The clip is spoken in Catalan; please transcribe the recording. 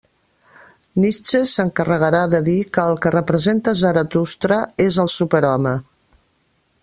Nietzsche s'encarregarà de dir que el que representa Zaratustra és el superhome.